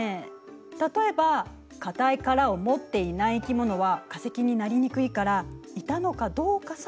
例えば硬い殻を持っていない生き物は化石になりにくいからいたのかどうかさえ分からない。